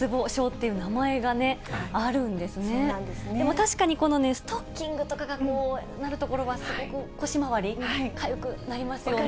確かにストッキングとかがなる所はすごく、腰回り、かゆくなりますよね。